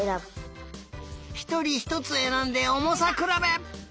ひとりひとつえらんでおもさくらべ！